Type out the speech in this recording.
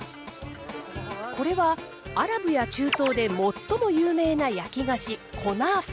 これはアラブや中東で最も有名な焼き菓子コナーファ。